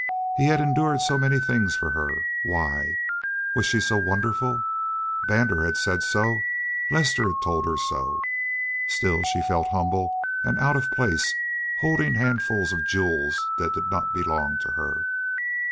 He had endured so many things for her! Why? Was she so wonderful? Brander had said so. Lester had told her so. Still she felt humble, out of place, holding handfuls of jewels that did not belong to her.